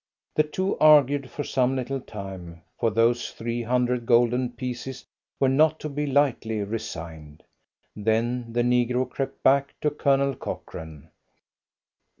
The two argued for some little time for those three hundred golden pieces were not to be lightly resigned. Then the negro crept back to Colonel Cochrane.